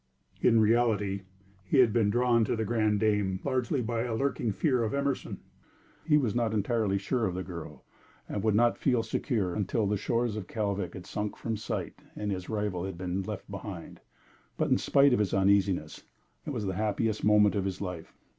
In reality, he had been drawn to The Grande Dame largely by a lurking fear of Emerson. He was not entirely sure of the girl, and would not feel secure until the shores of Kalvik had sunk from sight and his rival had been left behind. But in spite of his uneasiness, it was the happiest moment of his life.